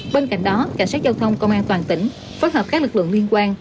bên cạnh đó cảnh sát giao thông công an toàn tỉnh phối hợp các lực lượng liên quan